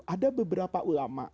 ada beberapa ulama